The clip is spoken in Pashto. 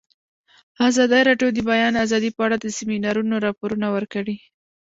ازادي راډیو د د بیان آزادي په اړه د سیمینارونو راپورونه ورکړي.